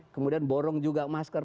kemudian borong juga masker